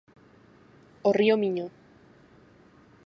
O río Miño.